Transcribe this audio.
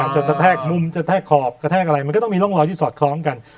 จะกระแทกมุมกระแทกขอบกระแทกอะไรมันก็ต้องมีร่องรอยที่สอดคล้องกัน